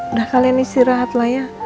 udah kalian istirahat lah ya